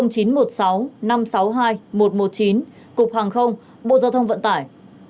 cục hàng không bộ giao thông vận tải